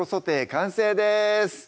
完成です